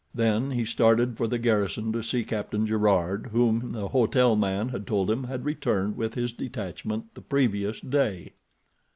Then he started for the garrison to see Captain Gerard, whom the hotel man had told him had returned with his detachment the previous day.